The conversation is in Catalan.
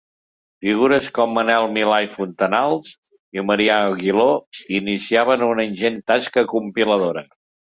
Figures com Manuel Milà i Fontanals i Marià Aguiló iniciaven una ingent tasca compiladora.